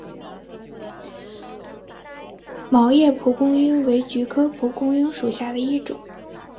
毛叶蒲公英为菊科蒲公英属下的一个种。